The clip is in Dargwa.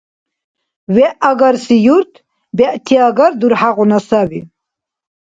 ВегӀ агарси юрт бегӀтиагар дурхӀягъуна саби.